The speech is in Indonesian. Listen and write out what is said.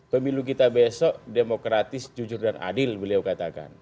pemilu kita besok demokratis jujur dan adil beliau katakan